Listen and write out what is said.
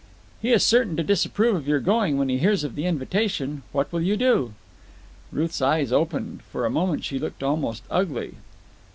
"He is certain to disapprove of your going when he hears of the invitation. What will you do?" Ruth's eyes opened. For a moment she looked almost ugly.